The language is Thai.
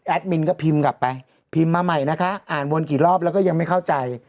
มินก็พิมพ์กลับไปพิมพ์มาใหม่นะคะอ่านวนกี่รอบแล้วก็ยังไม่เข้าใจ